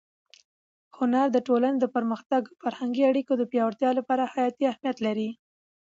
هنر د ټولنې د پرمختګ او فرهنګي اړیکو د پیاوړتیا لپاره حیاتي اهمیت لري.